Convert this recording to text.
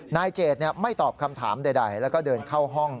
นายเจดไม่ตอบคำถามใดแล้วก็เดินเข้าห้อง